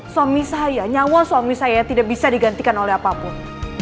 suami saya nyawa suami saya tidak bisa digantikan oleh apapun